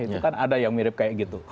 itu kan ada yang mirip seperti itu